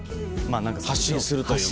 発信するというか。